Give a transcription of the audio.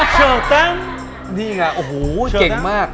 โชว์ตั้งนี่ไงโอ่โหเก่งมาก